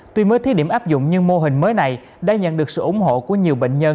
tuy mới thí điểm áp dụng nhưng mô hình mới này đã nhận được sự ủng hộ của nhiều bệnh nhân